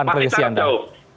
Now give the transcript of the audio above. masih sangat jauh